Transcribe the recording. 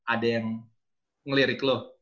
ada yang ngelirik lo